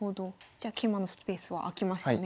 じゃあ桂馬のスペースは開きましたね。